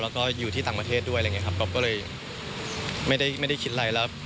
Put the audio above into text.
แล้วก็อยู่ที่ต่างประเทศด้วยอะไรอย่างนี้ครับก๊อฟก็เลยไม่ได้คิดอะไรแล้ว